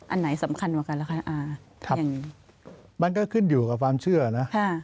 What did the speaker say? อันไหนสำคัญเหมือนกันแหละคะอ่าอย่างงี้มันก็ขึ้นอยู่กับความเชื่อนะค่ะ